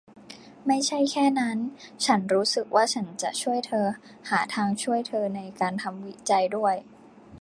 ไม่ใช่แค่นั้น ฉันรู้สึกว่าฉันจะช่วยเธอหาทางช่วยเธอในการทำวิจัยด้วย